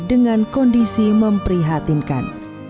dengan kondisi memprihatinkan